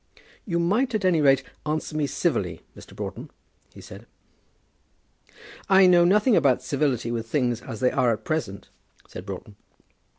"You might, at any rate, answer me civilly, Mr. Broughton," he said. "I know nothing about civility with things as they are at present," said Broughton.